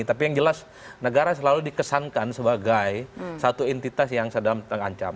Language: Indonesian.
tapi yang jelas negara selalu dikesankan sebagai satu entitas yang sedang terancam